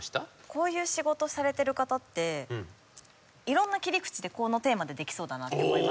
こういう仕事されてる方って色んな切り口でこのテーマでできそうだなって思いますね。